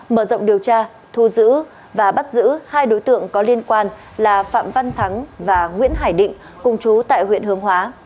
mở rộng điều tra thu giữ và bắt giữ hai đối tượng có liên quan là phạm văn thắng và nguyễn hải định cùng chú tại huyện hướng hóa